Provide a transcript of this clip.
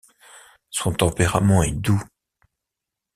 Son tempérament est doux.